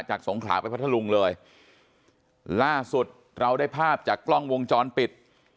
สงขลาไปพัทธลุงเลยล่าสุดเราได้ภาพจากกล้องวงจรปิด